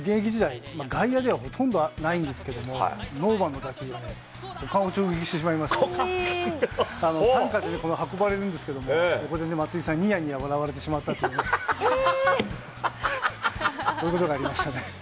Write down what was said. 現役時代、外野ではほとんどないんですけれど、股間を命中してしまいまして、担架で運ばれるんですけれど、松井さんにニヤニヤ笑われてしまったという、そういうことがありましたね。